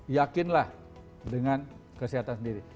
yakinlah dengan kesehatan sendiri